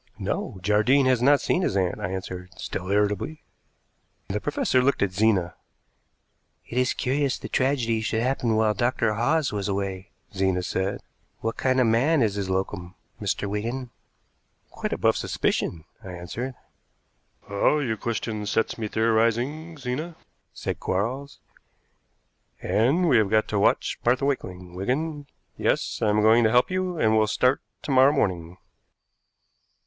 "No, Jardine has not seen his aunt," I answered, still irritably. The professor looked at Zena. "It is curious the tragedy should happen while Dr. Hawes was away," Zena said. "What kind of man is his locum, Mr. Wigan?" "Quite above suspicion," I answered. "Ah, your question sets me theorizing, Zena," said Quarles, "and we have got to watch Martha Wakeling, Wigan. Yes, I am going to help you, and we'll start to morrow morning."